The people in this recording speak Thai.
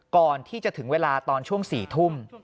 ก่อนที่จะถึงเวลาตอนช่วง๔ทุ่ม